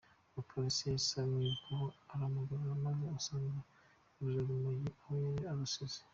Umupolisi yahise amwirukaho, aramugarura, maze basanga ruriya rumogi aho yari arusize.